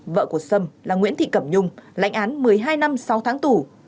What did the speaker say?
và nguyễn thị cẩm nhung lãnh án một mươi hai năm sau tháng tù